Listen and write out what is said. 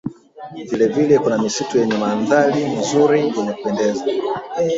Vilevile kuna misitu yenye mandhari nzuri yenye kupendeza